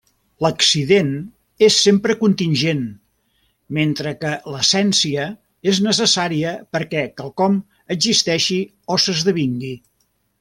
L'accident és sempre contingent, mentre que l'essència és necessària perquè quelcom existeixi o s'esdevingui.